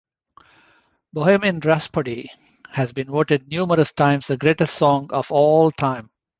"Bohemian Rhapsody" has been voted numerous times the greatest song of all time.